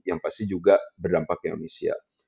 yang pasti juga berdampak ke indonesia